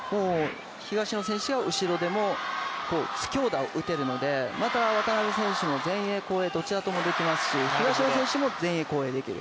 東野選手が後ろでも強打を打てるのでまた渡辺選手も前衛後衛ともできますので、東野選手も前衛・後衛できる。